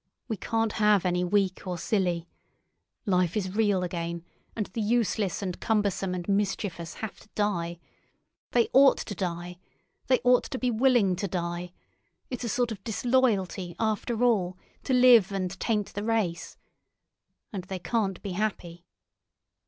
We can't have any weak or silly. Life is real again, and the useless and cumbersome and mischievous have to die. They ought to die. They ought to be willing to die. It's a sort of disloyalty, after all, to live and taint the race. And they can't be happy.